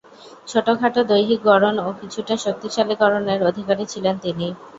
ছোট-খাঁটো দৈহিক গড়ন ও কিছুটা শক্তিশালী গড়নের অধিকারী ছিলেন তিনি।